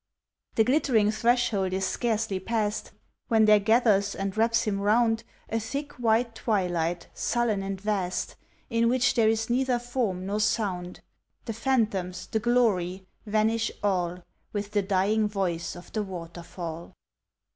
The glittering threshold is scarcely passed, When there gathers and wraps him round A thick white twilight, sullen and vast, In which there is neither form nor sound; The phantoms, the glory, vanish all, With the dying voice of the waterfall.